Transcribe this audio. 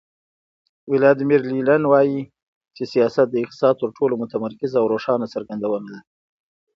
ولادیمیر لینین وایي چې سیاست د اقتصاد تر ټولو متمرکزه او روښانه څرګندونه ده.